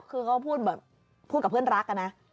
คือเขาพูดแบบพูดกับเพื่อนรักอะนะ